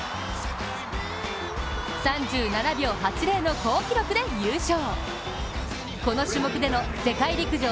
３７秒８０の好記録で優勝。